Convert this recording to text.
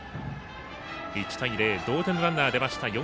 １対０同点のランナー出ました